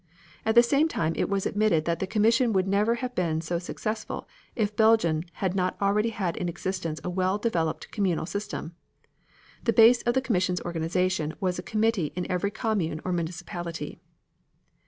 At the same time it was admitted that the commission would never have been so successful if Belgium had not already had in existence a well developed communal system. The base of the commission's organization was a committee in every commune or municipality.